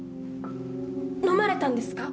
飲まれたんですか？